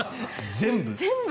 全部！